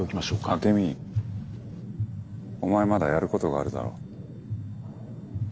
アケミお前まだやることがあるだろ。